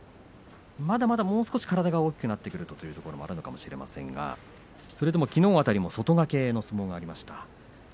まだまだ、もう少し体が大きくなってくるとというところもあるかもしれませんが、それでもきのう辺りも外掛けの相撲がありました